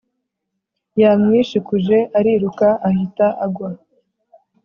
Yamwishikuje ariruka ahita agwa